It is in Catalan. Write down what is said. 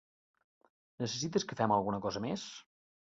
Necessites que fem alguna cosa més?